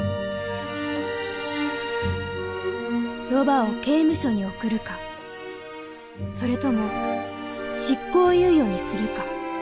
ロバを刑務所に送るかそれとも執行猶予にするか。